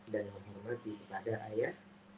dan menghormati kepada ayah